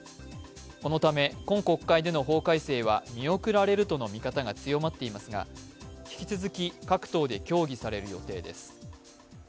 このため今国会での法改正は見送られるとの見方が強まっていますが、引き続き、各党で協議される予定です。